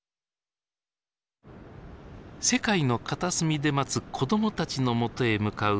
世界の片隅で待つ子どもたちのもとへ向かう旅人として。